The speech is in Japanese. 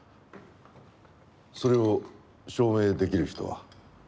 それを証明出来る人は？